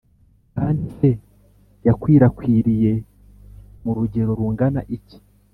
kandi se yakwirakwiriye mu rugero rungana iki?